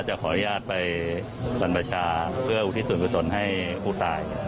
จะขออนุญาตไปบรรพชาเพื่ออุทิศส่วนกุศลให้ผู้ตาย